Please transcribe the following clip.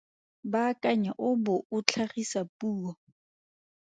Baakanya o bo o tlhagisa puo.